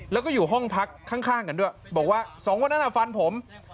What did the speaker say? แล้วก็อยู่ห้องพักข้างกันด้วยบอกว่าสองคนนั้นฟันผม